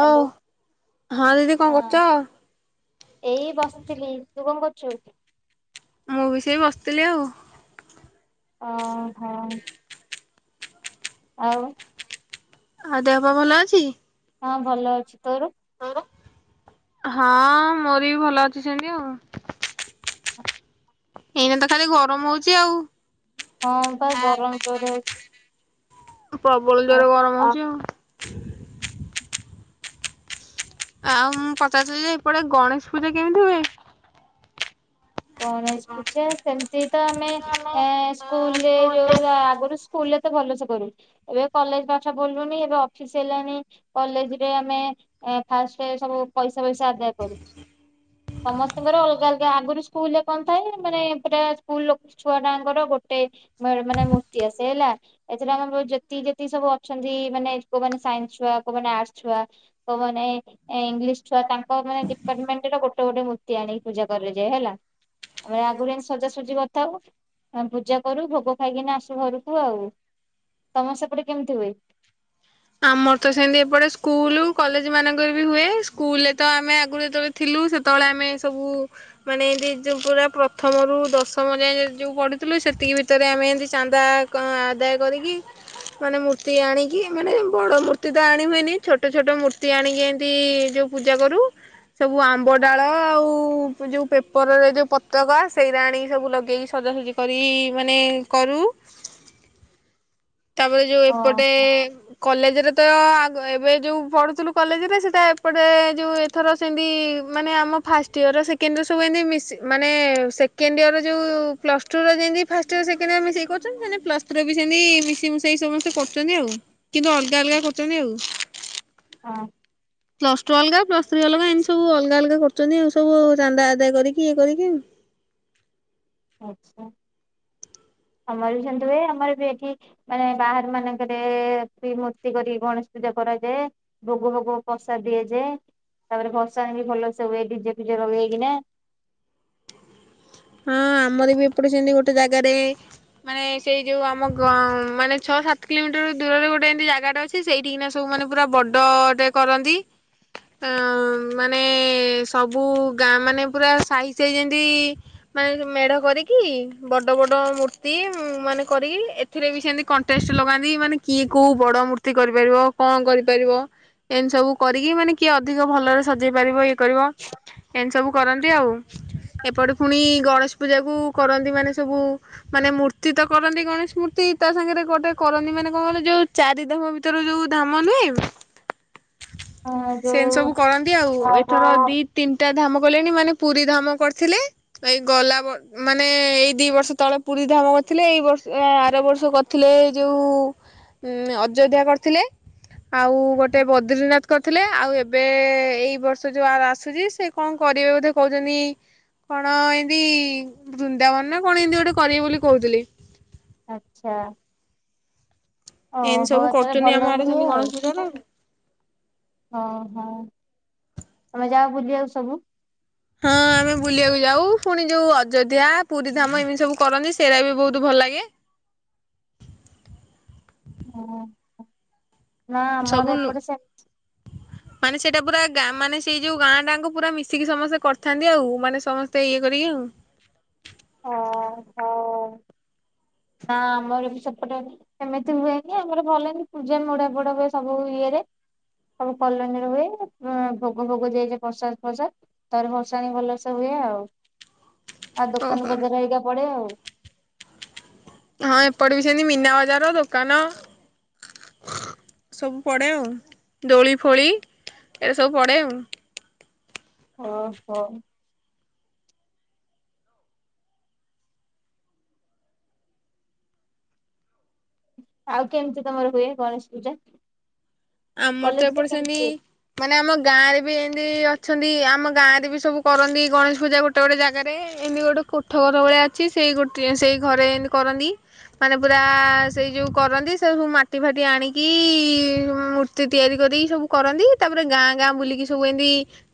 Hello ହଁ ଦିଦି କଣ କରୁଛ? ହଁ। ଏଇ ବସିଥିଲି ତୁ କଣ କରୁଛୁ? ମୁଁ ବି ସେଇ ବସିଥିଲି ଆଉ। ଓ ହଁ। ଆଉ। ଆଉ ଦେହପା ଭଲ ଅଛି? ହଁ ଭଲ ଅଛି ତୋର? ହଁ ମୋର ବି ଭଲ ଅଛି ସେନ୍ତି ଆଉ। ଏଇନା ତ ଖାଲି ଗରମ ହଉଛି ଆଉ। ହଁ ପା ଗରମ ଜୋରେ ହଉଛି। ପ୍ରବଳ ଯୋର ଗରମ ହଉଛି ଆଉ। ହୁଁ ଆଉ ମୁଁ ପଚାରୁଥିଲି ଯେ ହେପଟେ ଗଣେଶ ପୂଜା କେମିତି ହୁଏ? ଗଣେଶ ପୂଜା ସେମତି ତ ଆମେ ଆମ ଏ ସ୍କୁଲରେ ଯୋଉ ଆଗରୁ ସ୍କୁଲରେ ତ ଭଲସେ କରୁ ଏବେ କଲେଜ ପାଠ ପଢି ଲୁନି ଏବେ ଅଫିସ ହେଲାଣି କଲେଜରେ ଆମେ ଫାଷ୍ଟ ସବୁ ପଇସା ପଇସା ଆଦାୟ କରୁ। ସମସ୍ତଙ୍କର ଅଲଗା ଅଲଗା ଆଗରୁ ସ୍କୁଲରେ କଣ ଥାଏ ମାନେ ପୁରା ସ୍କୁଲ ଛୁଆ ଟାଙ୍କର ଗୋଟେ ମ ମାନେ ମୂର୍ତ୍ତି ଆସେ ହେଲା। ଏଥିରେ ଆମର ଯେତିକି ଯେତି ସବୁ ଅଛନ୍ତି ମାନେ କୋଉମାନେ ସାଇନ୍ସ ଛୁଆ କୋଉମାନେ ଆର୍ଟସ ଛୁଆ। କଉମାନେ ଏ ଇଂଲିଶ ଛୁଆ ତାଙ୍କ ମାନେ ଡିପାର୍ଟମେଟ ର ଗୋଟେ ଗୋଟେ ମୂର୍ତ୍ତି ଆଣିକି ପୂଜା କରାଯାଏ ହେଲା। ଆମେ ଆଗରୁ ଆସି ସଜାସଜି କରିଥାଉ ଆମେ ପୂଜା କରୁ ଭୋଗ ଖାଇକିନା ଆସୁ ଘରକୁ ଆଉ। ତମ ସେପଟେ କେମିତି ହୁଏ? ଆମର ତ ସେମିତି ଏପଟେ ସ୍କୁଲ କଲେଜ ମାନଙ୍କରେ ବି ହୁଏ ସ୍କୁଲ ରେ ତ ଆମେ ଆଗରୁ ଯେତବେ ଥିଲୁ ସେତେବେଳେ ଆମେ ସବୁ ମାନେ ଏମତି ଯଉ ପୂରା ପ୍ରଥମରୁୁ ଦଶମ ଯାଏ ଯୋଉ ପଢୁଥିଲୁ ସେତିକି ଭିତରେ ଆମେ ଏମତି ଚାନ୍ଦା କଣ ଆଦାୟ କରିକି ମାନେ ମୂର୍ତ୍ତି ଆଣିକି ମାନେ ବଡ ମୂର୍ତ୍ତି ତ ଆଣି ହୁଏନି ଛୋଟ ଛୋଟ ମୂର୍ତ୍ତି ଆଣିକି ଏମିତି ଯୋଉ ପୂଜା କରୁ। ସବୁ ଆମ୍ବ ଡାଳ ଆଉ ଯେଉ ପେପରରେ ଯେଉଁ ପତକା ସେଇଟା ଆଣିକି ସବୁ ଲଗେଇକି ସଜା ସଜି କରିକି ମାନେ କରୁ ତାପରେ ଯୋଉ ହଁ ଏପଟେ କଲେଜରେ ତ ଆଗ ଏବେ ଯୋଉ ପଢୁଥିଲୁ କଲେଜରେ ସେଟା ଏପଟେ ଯୋଉ ଏଥର ସେମିତି ମାନେ ଆମ ଫାଷ୍ଟ ଇୟର ସେକେଣ୍ଡ ଇଅର ସବୁ ଏମିତି ମିସିକି ମାନେ ସେକେଣ୍ଡ ଇୟର ଯେଉଁ ପ୍ଲସ୍ ଟୁର ଯେମି ଫାଷ୍ଟ ଇୟର ସେକଣ୍ଡ ୟର ମି ସେଇ ମିଶାକି କରୁଛନ୍ତି ସେମତି ପ୍ଲସଥ୍ରୀ ର ବି ସେମତି ମିସେଇ ମିଶାକି ସମସ୍ କରୁଛନ୍ତି ଆଉ କିନ୍ତୁ ଅଲଗା ଅଲଗା କରୁଛନ୍ତି ଆଉ। ହଁ। ପ୍ଲସ ଟୁ ଅଲଗା ପ୍ଲସ ଥ୍ରୀ ଅଲଗା ଏନ୍ତି ସବୁ ଅଲଗା ଅଲଗା କରୁଛନ୍ତି ଆଉ ସବୁ ଚାନ୍ଦା ଆଦା କରିକି ଇଏ କରିକି। ଆଚ୍ଛା। ଆମର ବି ସେମତି ହୁଏ ଆମର ବି ଏଠି ମାନେ ବାହାର ମାନଙ୍କରେ ଏମତି ମୂର୍ତ୍ତି କରିକି ଗଣେଶ ପୂଜା କରାଯାଏ। ଭୋଗ ଭୋଗ ପ୍ରସାଦ ଦିଆଯାଏ। ତାପରେ ଭସାଣ ବି ଭଲସେ ହୁଏ ଡିଜେ ଫିଜେ ଲଗେଇକିନା। ହଁ ଆମର ବି ଏପଟେ ସେନ୍ତି ଗୋଟେ ଜାଗାରେ ମାନେ ସେଇ ଯୋଉ ଆମ ଗ ମାନେ ଛଅ ସାତ କିଲୋମିଟର ଦୂରରେ ଗୋଟେ ଏମତି ଜାଗାଟା ଅଛି ସେଇଠିକିନା ସବୁମାନେ ପୁରା ବଡ଼ଟେ କରନ୍ତି। ଅଁ ମାନେ ସବୁ ଗାଁ ମାନେ ପୁରା ସାହି ସାହି ଯେନ୍ତି ମାନେ ମେଢ କରିକି ବଡ ବଡ ମୂର୍ତ୍ତି ମାନେ କରିକି ଏଥିରେ ବି ସେମତି କଣ୍ଟେଷ୍ଟ ଲଗାନ୍ତି ମାନେ କିଏ କୋଉ ବଡ ମୂର୍ ର୍ତ୍ତି କରିପାରିବ କଣ କରିପାରିବ। ଏନ୍ତି ସବୁ କରିକି ମାନେ କିଏ ଅଧିକ ଭଲରେ ସଜେଇ ପାରିବ ଇଏ କରିବ। ଏନ୍ତି ସବୁ କରନ୍ତି ଆଉ ଏପଟେ ପୁଣି ଗଣେଶ ପୂଜାକୁ କରନ୍ତି ମାନେ ସବୁ ମାନେ ମୂର୍ତ୍ତି ତ କରନ୍ତି ଗଣେଶ ମୂର୍ତ୍ତି ତା ସାଙ୍ଗରେ ଗୋଟେ କରନ୍ତି ମାନେ କଣ କହିଲ ଯୋଉ ଚାରିଧାମ ଭିତରୁ ଯୋଉ ଧାମ ନୁହେଁ, ଅ ଯୋଉ ସେନ୍ତି ସବୁ କର ଏନ୍ତି ଆଉ। ଏଥର ଦି ତିନିଟା ଧାମ କଲେଣି ମାନେ ପୁରୀ ଧାମ କରିଥିଲେ। ଏଇ ଗଲା ବ ମାନେ ଏଇ ଦି ବର୍ଷ ତଳେ ପୁରୀ ଧାମ କରିଥିଲେ। ଏଇ ବର୍ଷ ଆର ବର୍ଷ କର୍ ଥିଲେ ଯୋଉ ଅଯୋଧ୍ୟା କରିଥିଲେ। ଆଉ ଗୋଟେ ବଦ୍ରିନାଥ କରିଥିଲେ। ଆଉ ଏବେ ଏଇ ବର୍ଷ ଯୋଉ ଆ ଆସୁଚି ସେ କଣ କରିବେ ବୋଧେ କହୁଛନ୍ତି ହଁ ଏନ୍ତି ବୃନ୍ଦାବନ ନା କଣ ଏନ୍ତି ଗୋଟେ କରିବେ ବୋଲି କହୁଥିଲେ। ଆଚ୍ଛା। ଏନ୍ତି ଓହୋ ସବୁ ତାହେଲେ କରୁଛନ୍ତିି ଭଲ ଆମ ଆଡେ ହୁଏ ସେମତି ଗଣେଶ ପୂଜାରେ। ଅଁ ହଁ। ତମେ ଯାଅ ବୁଲି ବାକୁ ସବୁ? ହଁ ଆମେ ବୁଲିବାକୁ ଯାଉ। ପୁଣି ଯୋଉ ଅଯୋଧ୍ୟା ପୁରୀଧାମ ଏମିତି ସବୁ କରନ୍ତି ସେରା ବି ବହୁତ ଭଲ ଲାଗେ। ହଁ। ନା ଆମର ଏପଟେ ସେନ୍ ହ [inaudible] ମାନେ ସେଇଟା ପୁରା ଗାଁ ମାନେ ସେଇ ଯୋଉ ଗାଁ ଟା ଆଙ୍କ ପୁରା ମିଶିକି ସମସ୍ତେ କରିଥାନ୍ତି ଆଉ। ମାନେ ସମସ୍ତେ ଇଏ କରିକି ଆଉ। ଅ ହଁ। ହଁ ଆମର ବି ସେପଟେ ସେମିତି ହୁଏନି, ଆମର ଭଲ ହିଁ ପୂଜା ମେଢ ଫେଢ଼ ହୁଏ ସବୁ ଇଏରେ। ସବୁ କଲୋନୀର ହୁଏ। ଭୋଗ ଭୋଗ ଦିଆଯାଏ ପ୍ରସାଦ ଫ୍ରସାଦ। ତାପରେ ଭସାଣି ଭଲସେ ହୁଏ ଆଉ। ଆଉ ଦୋକାନ ଓହୋ ବଜାର ହେରିକା ପଡେ ଆଉ। ହଁ ଏପଟେ ବି ସେନ୍ତି ମୀନା ବଜାର ଦୋକାନ ସବୁ ପଡେ ଆଉ। ଦୋଳି ଫୋଳି ଏଇରା ସବୁ ପଡେ ଆଉ। ଓହୋ। ଆଉ କେନ୍ତି ତମର ହୁଏ ଗଣେଶ ପୂଜା? ଆମର ତ କଲେଜରେ ଏପଟେ କେମିତି ସେନ୍ତି ହୁଏ? ମାନେ ଆମ ଗାଁରେ ବି ଏନ୍ତି ଅଛନ୍ତି, ଆମ ଗାଁ ରେ ବି ସବୁ କରନ୍ତି ଗଣେଶ ପୂଜା ଗୋ ଗୋଟେ ଗୋଟେ ଜାଗାରେ, ଏମିତି ଗୋଟେ କୋଠ ଘର ଭଳିଆ ଅଛି ସେଇ ଗୋଟେ ସେଇ ଘରେ ଏନ୍ତି କରନ୍ତି। ମାନେ ପୁରା ସେଇ ଯୋଉଁ କରନ୍ତି ସେ ସବୁ ମାଟି ଫାଟି ଆଣିକି ମୂର୍ ମୂର୍ତ୍ତି ତିଆରି କରିକି ସବୁ କରନ୍ତି। ତାପରେ ଗାଁ ଗାଁ ବୁଲିକି ସବୁ ଏନ୍ତି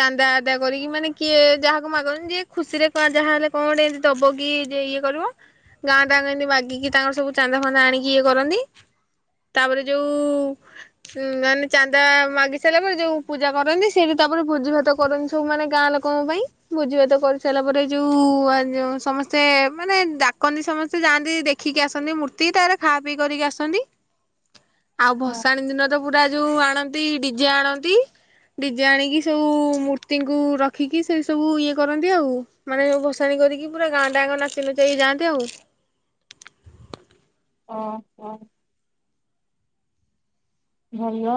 ଚାନ୍ଦା ଆଦାୟ କରିକି ମାନେ କିଏ ଯାହାକୁ ମାଗନ୍ତି ଯିଏ ଖୁସି ରେ ଯାହା ହେଲେ କଣ ଟିକେ ଦବ କିି ଇଏ କରିବ। ଗାଁ ଟାଁ ଏମତି ମାଗିକି ତାଙ୍କର ସବୁ ଚାନ୍ଦା ଫାନ୍ଦା ଆଣିକି ଇଏ କରନ୍ତି। ତାପରେ ଯୋଉ ଉଁ ମାନେ ଚାନ୍ଦା ମାଗି ସାରିଲା ପରେ ଯୋଉ ପୂଜା କରନ୍ତି। ସେଇଠି ତାପରେ ଭୋଜି ଭାତ କରନ୍ତି ସବୁ ମାନେ ଗାଁ ଲୋକଙ୍କ ପାଇଁ। ଭୋଜି ଭାତ କରିସାରିଲା ପରେ ଯୋଉ ଯଉ ସମସ୍ତେ ମାନେ ଡାକନ୍ତି ସମସ୍ତେ ଯାଆନ୍ତି ଦେଖ ଖିକି ଆସନ୍ତି ମୂର୍ତ୍ତି ତାପରେ ଖା ପିଇ କରିକି ଆସନ୍ତି। ଆଉ ହଁ ଭସାଣି ଦିନ ତ ପୁରା ଯୋଉ ଆଣନ୍ତି ଡିଜେ ଆଣନ୍ତି। ଡିଜେ ଆଣିକି ସବୁ ମୂର୍ତ୍ତିଙ୍କୁ ରଖିକି ସେ ସବୁ ଇଏ କରନ୍ତି ଆଉ। ମାନେ ଭସାଣି କରିକି ପୁରା ଗାଁଟାଁ ଆଙ୍ଗ ନାଚି ନୁଚାକି ଯାଆନ୍ତି ଆଉ। ହଁ ହଁ ଭଲ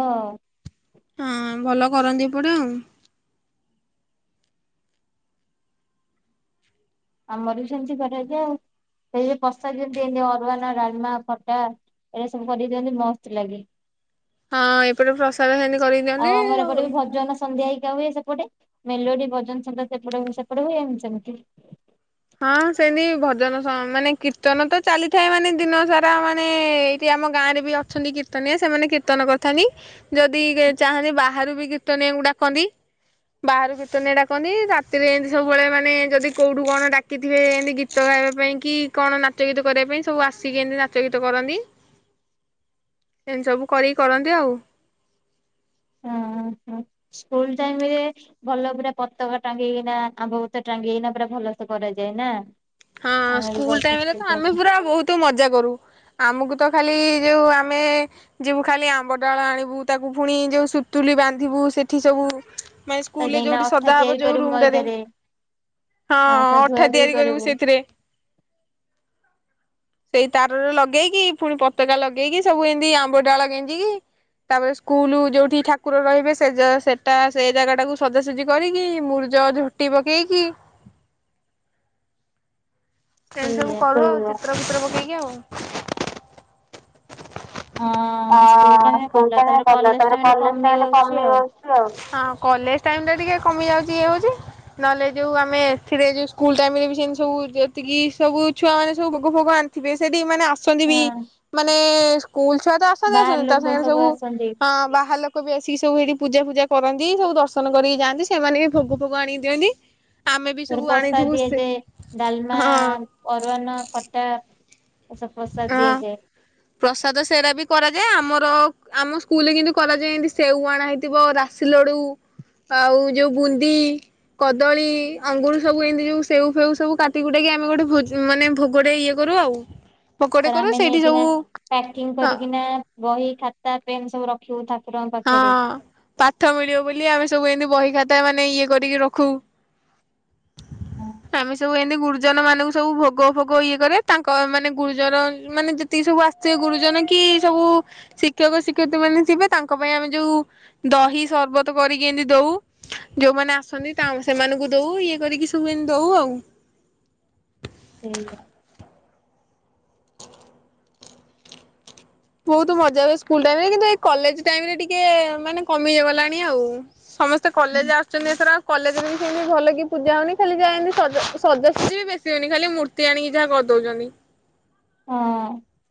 ହଁ ଭଲ କରନ୍ତି ଏପଟେ ଆଉ। ଆମର ବି ସେମିତି କରା [unintelligible] ଯାଏ ଆଉ ସେଇ ପଷା ଯେମିତି ଏମ ଅରୁୱାନ ଡାଲମା ଖଟା ଏଇଟା ସବୁ କରି ଦିଅନ୍ତି ମସ୍ତ ଲାଗେ। ହଁ ଏପଟେ ପ୍ରସାଦ ସେମିତି କରିକି ଦିଅନ୍ତି ଆଉ ଆମର ଏପଟେ ବି ଭଜନ ସନ୍ଧ୍ୟା ହେଇକା ହୁଏ। ସେ ସେପଟେ ମେଲୋଡି ଭଜନ ସଧ୍ୟା ସେପଟ ସେପଟ ହୁଏ ଏମିତି ସେମିତି। ହଁ ସେମିତି ଭଜନ ମାନେ କୀର୍ତ୍ତନ ତ ଚାଲିଥାଏ ମାନେ ଦିନ ସାରା ମାନେ ଆମ ଗାଁରେ ବି ଅଛନ୍ତି କୀର୍ତ୍ତନିଆ ସେମାନେ କୀର୍ତ୍ତନ କରିଥାନ୍ତି। ଯଦି ଚାହାଁନ୍ତି ବାହାରୁ ବି କୀର୍ତ୍ତନୀୟା ଙ୍କୁ ଡାକନ୍ତି। ବାହାରୁ କିର୍ତନୀୟା ଡାକନ୍ତି ରାତିରେ ଏମିତି ସବୁବେଳେ ମନେ ଯଦି କୋଉଠୁ କଣ ଡା କିଥିବେ ଏମିତି ଗୀତ ଗାଇବା ପାଇଁ କି କଣ ନାଚ, ଗୀତ କରିବା ପାଇଁ ସବୁ ଆସିକି ଏମିତି ନାଚ, ଗୀତ କରନ୍ତି। ଏମିତି ସବୁ କରିକି କରନ୍ତି ଆଉ। ହଁ ହଁ ସ୍କୁଲ ଟାଇମ ରେ ଭଲ ପୁରା ପତକା ଟାଙ୍ଗିକିନା ଆମ୍ବ ପତ୍ର ଟାଙ୍ଗିିଗିନା ପୁରା ଭଲ ସେ କରାଯାଏ ନା? ହଁ ଆମେ ବି ସ୍କୁଲ କରିଛୁ ଟାଇମରେ ତ ଆମେ ପୁର ବହୁତ ମଜା କରୁ। ଆମକୁ ତ ଖାଲି ଯେଉଁ ଆମେ ଯିବୁ ଖାଲି ଆମ୍ବ ଡାଳ ଆଣିବୁ ତାକୁ ପୁଣି ଯୋଉ ସୁତୁଲି ବାନ୍ଧିବୁ ସେଠି ସବୁ ମାନ ତ ସ୍କୁଲରେ ଯାଇକିନା ଯୋଉଠି ଅଠା ସଜା ହବ ତିଆରି ଯୋଉ କରିବୁ ରୁମ ଟାରେ ମଇଦାରେ ହଁ ଅଠା ତିଆରି କରିବୁ ସେଠି। ରେ ସେଇ ତାରରେ ଲଗେଇକି ପୁଣି ପତକା ଲଗେଇକି ସବୁ ଏମିତି ଆମ୍ବ ଡାଳ ଗେଞ୍ଜିକି ତାପରେ ସ୍କୁଲ ଯଉଠି ଠାକୁର ରହିବେ ସେ ସେଟା ସେ ଜାଗା ଟାକୁ ସଜାସଜି କରିକି ମୂର୍ଜ, ଝୋ - ଟି ପକେଇକି ସେମିତି ସବୁ ସେଇଆ କରୁ ଆଉ ଚିତ୍ର ଫିତ୍ର ପକେଇକି ଆଉ। ହଁ ହଁ ସ୍କୁଲ ହଁ ଟାଇମରେ ସ୍କୁଲ ଭଲ ଟ କ କଲେଜ ତାପରେ ଟାଇମରେ କଲେଜ ଟ କମିଯାଉଛି ଆଉ କମିିବାଉ [unintelligible] ହଁ କଲେଜ ଟାଇମରେ ଟିକେ କମି ଯାଉଛି ଇଏ ହଉଛି। ନହେଲେ ଯୋଉ ଆମେ ଏଥିରେ ଯୋଉ ସ୍କୁଲ ଟାଇମ ରେ ସେମତି ସବୁ ଯେତିକି ସବୁ ଛୁଆ ମାନେ ସବୁ ଭୋକ ଫୋଗ ଆନ୍ ଥିବେ ସେଠି ମାନେ ଆସନ୍ତି ବି ହଁ ମାନେ ସ୍କୁଲ ଛୁଆ ତ ଆସନ୍ତି ବାହାର ଆସନ୍ତି ତା ଲୋକ ସାଙ୍ଗରେ ସବୁ ଆସନ୍ତି ବାହାର ଲୋକ ବି ଆସିକି ସବୁ ସେଠି ପୂଜା ଫୂଜା କରନ୍ତି, ସବୁ ଦର୍ଶନ କରିକି ଯାଆନ୍ତି। ସେମାନେ ବି ଭୋଗ ଫୋଗ ଆଣିକି ଦିଅନ୍ତି। ହ [inaudible] ତାପରେ ପ୍ରସାଦ ଦିଆଯାଏ ଡାଲମା ହଁ ଅରୁଆ ନା ଖଟା ଏସବୁ ପ୍ରସାଦ ଦିଆଯାଏ। ହଁ ପ୍ରସାଦ ସେରା ବି କରାଯାଏ। ଆମର ଆମ ସ୍କୁଲରେ କିନ୍ତୁ କରାଯାଏ ଏମିତି ସେଉ ଆଣା ହେଇଥିବ ରା ସିଲଡ଼ୁ ଆଉ ଯଉ ବୁନ୍ଦି। କଦଳୀ ଅଙ୍ଗୁରୁ ସବୁ ଏମିତି ଯୋଉ ସେ ଫେଉ ସବୁ କାଟି କୁୁଟାକି ଆମେ ଗୋଟେ ଭୋଜ ମାନେ ଭୋଗରେ ଇଏ। କରୁ ଆଉ। ଭୋଗଟେ ତାର କରୁ ଆମେ ସେଇଠି ନେଇକିନା ସବୁ ପ୍ୟାକିଂ କରିକିନା ବହି ଖାତା ପେନ୍ ସବୁ ରଖିବୁ ଠାକୁରଙ୍କ ପାଖେରେ। ହଁ ପାଠ ମିଳିବ ବୋଲି ଆମେ ସବୁ ଏମିତି ବହି ଖାତା ମାନେ ଇଏ କରିକି ରଖୁ। ହଁ। ଆମେ ସବୁ ଏମିତି ଗୁରୁଜନ ମାନଙ୍କୁ ସବୁ ଭୋଗ ଭୋଗ ଇଏ କରେ ତାଙ୍କ ମାନେ ଗୁରୁଜନ ମାନେ ଯେ ତିକି ସବୁ ଆସିଥିବେ ଗୁରୁଜନ କି ସବୁ ଶିକ୍ଷକ ଶିକ୍ଷୟିତ୍ରୀ ମାନେ ଥିବେ ତାଙ୍କ ପାଇଁ ଆମେ ଯୋଉ ଦହି ସର୍ବତ କରିକି ଏମିତି ଦଉ। ଯୋଉମାନେ ଆସନ୍ତି ତାଉଁ ସେମାନଙ୍କୁ ଦଉ ଇଏ କରିକି ସବୁ ଏମିତି ଦଉ ଆଉ। ସେଇଆ। ବହୁତ ମଜା ହୁଏ ସ୍କୁଲ ଟାଇମ ରେ କିନ୍ତୁ ଏଇ କଲେଜ ଟାଇମ ରେ ଟିକେ ମାନେ କମି ଗଲାଣି ଆଉ। ସମସ୍ତେ କଲେଜ ଆସ ଛନ୍ତି ଏଥର ଆଉ କଲେଜରେ ବି ସେମିତି ଭଲ କି ପୂଜା ହଉନି ଖାଲି ଯା ଏମିତି ସଜ ସଜ୍ଜାସଜ୍ଜୀ ବି ବେଶ ହଉନି ଖାଲି ମୂର୍ତ୍ତ ତି ଆଣିକି ଯାହା କରିଦଉଛନ୍ତି। ହଁ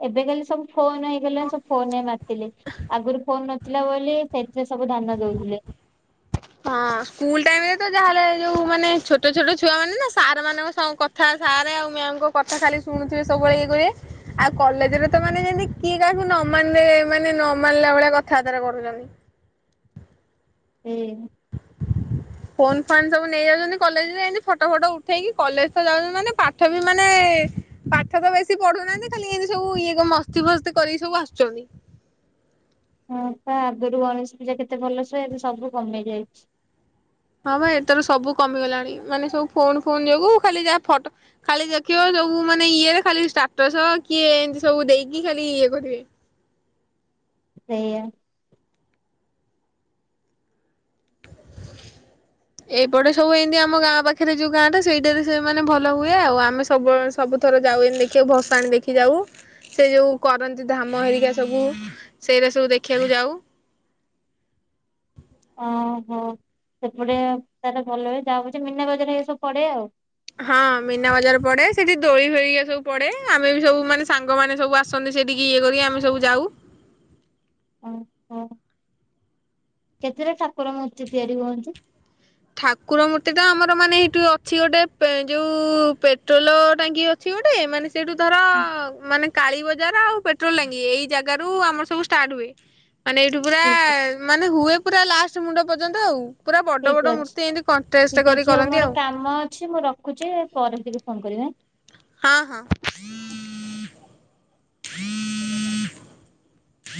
ଏବେ ଖାଲି ସବୁ ଫୋନ୍ ହେଇଗଲାଣି ସବୁ ଫୋନ୍ ରେ ମାତିିଲେ ଆଗରୁ ଫୋନ୍ ନ ଥିଲା ବୋଲି ସେଥିରେ ସବୁ ଧାନ ଦଉଥିଲେ। ହଁ ସ୍କୁଲ ଟାଇମ୍ ରେ ତ ଯାହାଲେ ଯୋଉ ମାନେ ଛୋଟ ଛୋଟ ଛୁଆ ମାନେ ନା ସାର୍ ମାନଙ୍କ ସହଁ କ କଥା ସାର୍ ଆଉ ମ୍ୟାାମ୍ ଙ୍କ କଥା ଖାଲି ଶୁଣୁଥିବେ ସବୁବେଳେ ଇଏ କରିବେ ଆଉ କଲେଜରେ ତ ମାନେ ଯେମିତି କିଏ କାହାକୁ ନ ମାନିଲେ ମାନେ ନ ମାନିଲା ଭଳିଆ କଥାବାର୍ତ୍ତା ରା କରୁଛନ୍ତି। [unintelligible] ଫୋନ ଫାନ୍ ସବୁ ନେଇଯାଉଛନ୍ତି କଲେଜରେ ଏମତି ଫଟ ଫଟ ଉଠେଇକି କଲେଜ ତ ଯାଉଛନ୍ତି ମାନେ ପାଠ ବି ମାନେ ପାଠ ତ ବେଶୀ ପାଢ଼ୁ ନାହାନ୍ତି ଖାଲି ଏନ୍ତୀ ସବୁ ଇଏ ମସ୍ତି ଫସ୍ତି କରିକି ସବୁ ଆସୁଛନ୍ତି। ହଁ ତ ଆଗୁରୁ ଗଣେଶ ପୂଜା କେତେ ଭଲସେ ହୁଏ ଏବେ ସବୁ କମି ଯାଇଛି। ହଁ ବା ଏଥର ସବୁ କମିଗଲାଣି ମାନେ ସବୁ ଫୋନ୍ ଫୋନ୍ ଯୋଗୁ ଖାଲି ଯାହା ଫଟ ଖାଲି ଦେଖିବ ସବୁ ମାନେ ଇଏରେ ଖାଲି ଷ୍ଟାଟର୍ସ କିଏ ଏମିତି ସବୁ ଦେଇକି ଖାଲି ଇଏ କରିବେ। ସେଇଆ। ଏଇପଟେ ସବୁ ଏମିତି ଆମ ଗାଁ ପାଖରେ ଯୋଉ ଗାଁ ଟା ସେଇଟାରେ ସେମାନେ ଭଲ ହୁଏ ଆଉ ଆମେ ସବୁବେଳେ ସବୁଥର ଯାଉ ଏମତୀ ଦେଖିବାକୁ ଭସାଣି ଦେଖି ଯାଉ ସେ ଯୋଉ କରନ୍ତି ଧାମ ହେରିକା ସବୁ। ସେଇରା ସବୁ ଦେଖିବାକୁ ଯାଉ। ଓହୋ ସେପଟେ ତାର ଭଲ ହୁଏ ଯାହା ହଉଛି ମିନା ବଜାର ହେରିକା ସବୁ ପଡ଼େ ଆଉ। ହଁ ମିନା ବଜାର ପଡ଼େ ସେଠି ଦୋଳି ଫୋଳି ଇଏ ସବୁ ପଡେ଼ ଆମେ ବି ସବୁ ମାନେ ସାଙ୍ଗମାନେ ସବୁ ଆସ ସନ୍ତି ସେଠିକି ଇଏ କରିକି ଆମେ ସବୁ ଯାଉ। ଓ ହୋ କେତେଟା ଠାକୁର ମୁର୍ତି ତିଆରି ହୁଅନ୍ତି? ଠାକୁର ମୂର୍ତ୍ତି ତ ଆମର ମାନେ ଏଇଠୁ ଅଛି ଗୋଟେ ପେ ଯୋଉ ପେଟ୍ରୋଲ ଟାଙ୍କି ଅଛି ଗୋଟେ ମାନେ ସେଇଠୁ ଧର ମାନେ କାଳୀ ବଜାର ଆଉ ପେଟ୍ରୋଲ ଟାଙ୍ଗି ଏଇ ଜାଗାରୁ ଆମର ସବୁ ଷ୍ଟାର୍ଟ ହୁଏ ମାନେ ଏଇଠୁ ପୁରା ଠିକ୍ ଅଛି। ମାନେ ହୁଏ ପୁରା ଲାଷ୍ଟ ମୁଣ୍ଡ ପର୍ଯ୍ୟନ୍ତ ଆଉ ପୁରା ବଡ ଠିକ ବଡ ଅଛି ମୂର୍ତ୍ତି ଏମତି କଣ୍ଷ୍ଟେଷ୍ଟେ କରି କରନ୍ତି ଆଉ। ଛି ମୁଁ ରଖୁଛି ପରେ ଟିକି ଫୋନ କରିବି ଆଁ। ହଁ ହଁ।